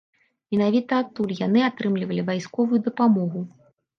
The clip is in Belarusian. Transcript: Менавіта адтуль яны атрымлівалі вайсковую дапамогу.